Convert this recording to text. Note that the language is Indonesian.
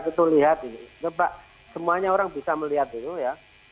kita lihat semuanya orang bisa melihat dulu ya